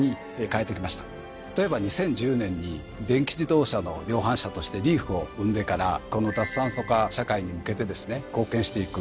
例えば２０１０年に電気自動車の量販車として「リーフ」を生んでからこの脱炭素化社会に向けてですね貢献していく。